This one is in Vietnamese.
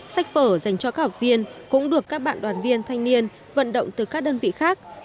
sách vở dành cho các học viên cũng được các bạn đoàn viên thanh niên vận động từ các đơn vị khác